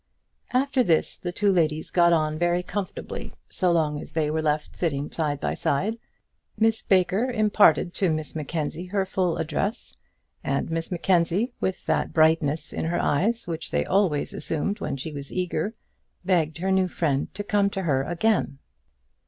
After this the two ladies got on very comfortably, so long as they were left sitting side by side. Miss Baker imparted to Miss Mackenzie her full address, and Miss Mackenzie, with that brightness in her eyes which they always assumed when she was eager, begged her new friend to come to her again.